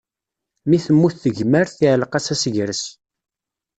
Mi temmut tegmert, iɛalleq-as asegres.